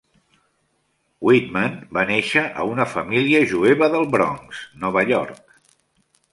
Whitman va néixer a una família jueva del Bronx, Nova York.